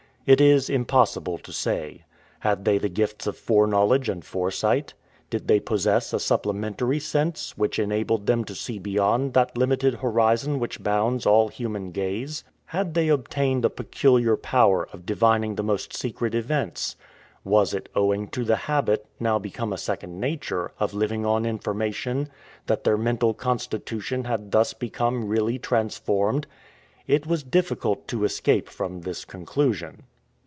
It is impossible to say. Had they the gifts of foreknowledge and foresight? Did they possess a supplementary sense, which enabled them to see beyond that limited horizon which bounds all human gaze? Had they obtained a peculiar power of divining the most secret events? Was it owing to the habit, now become a second nature, of living on information, that their mental constitution had thus become really transformed? It was difficult to escape from this conclusion.